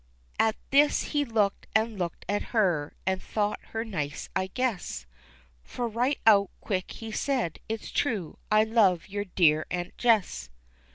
At this he looked and looked at her, and thought her nice I guess For right out quick he said, "It's true I love your dear Aunt Jess."